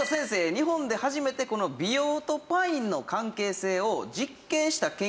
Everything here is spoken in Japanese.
日本で初めて美容とパインの関係性を実験した研究に携わったと。